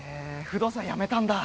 不動産辞めたんだ